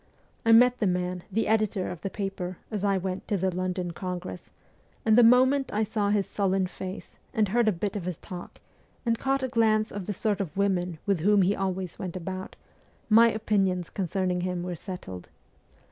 I met the man, the editor of the paper, as I went to the London congress, and the moment I saw his sullen face, and heard a bit of his talk, and caught a glance of the sort of women with whom he always went about, my opinions concerning him were settled.